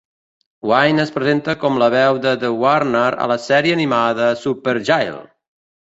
Wain es presenta com la veu de The Warden a la sèrie animada "Superjail!".